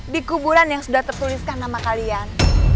dikuburan yang sudah tertuliskan nama kalian